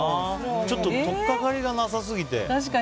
ちょっととっかかりがなさすぎて。